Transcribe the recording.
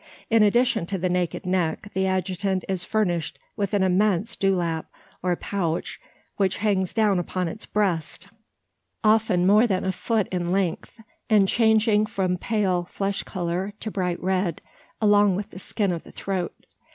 In addition to the naked neck, the adjutant is furnished with an immense dew lap, or pouch which hangs down upon its breast often more than a foot in length, and changing from pale flesh colour to bright red, along with the skin of the throat.